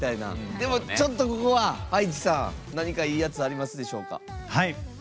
でも、ちょっと、葉一さん何かいいやつありますでしょうか。